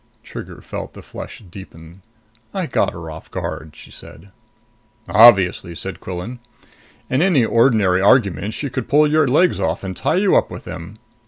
Trigger felt the flush deepen. "I got her off her guard," she said. "Obviously," said Quillan. "In any ordinary argument she could pull your legs off and tie you up with them.